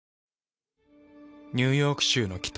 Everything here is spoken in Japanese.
ニューヨーク州の北。